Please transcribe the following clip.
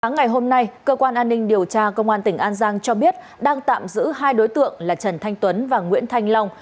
ngày hôm nay cơ quan an ninh điều tra công an tỉnh an giang cho biết đang tạm giữ hai đối tượng là trần thanh tuấn và nguyễn thanh long